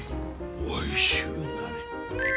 おいしゅうなれ。